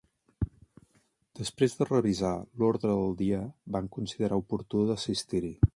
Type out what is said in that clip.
Després de revisar l’ordre del dia, van considerar oportú d’assistir-hi.